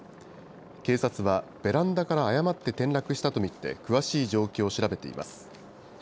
警察はベランダから誤って転落したと見て、詳しい状況を調べています。